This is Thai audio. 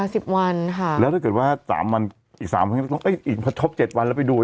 สิบวันค่ะแล้วถ้าเกิดว่าสามวันอีกสามวันอีกพัดทบเจ็ดวันแล้วไปดู